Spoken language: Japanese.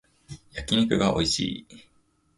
焼き肉がおいしい